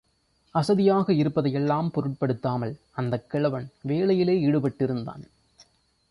அசதியாக இருப்பதையெல்லாம் பொருட்படுத்தாமல் அந்தக் கிழவன் வேலையிலே ஈடுபட்டிருந்தான்.